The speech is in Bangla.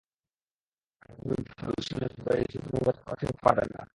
আবেদন ব্যর্থ হলে সামনের ফেব্রুয়ারির ফিফা নির্বাচনে প্রার্থী হতে পারবেন না।